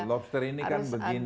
lobster ini kan begini